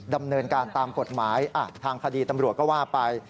ดำเนินการตามกฎหมายทางคดีตำรวจก็ว่าไป